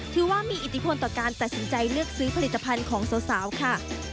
ถือว่ามีอิทธิพลต่อการตัดสินใจเลือกซื้อผลิตภัณฑ์ของสาวค่ะ